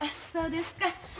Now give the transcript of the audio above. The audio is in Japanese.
そうですか。